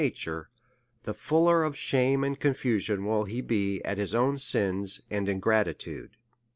343 nature, the fuller of shame and confusion will he be at his own sins and ing ratitude.